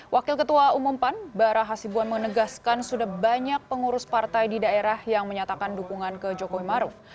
wakil ketua umum pan bara hasibuan menegaskan sudah banyak pengurus partai di daerah yang menyatakan dukungan ke jokowi maruf